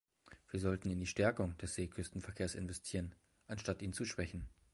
Wir sollten in die Stärkung des Seeküstenverkehrs investieren, anstatt ihn zu schwächen.